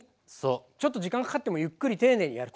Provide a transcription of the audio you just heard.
ちょっと時間かかってもゆっくり丁寧にやると。